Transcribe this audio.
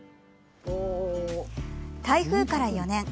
台風から４年。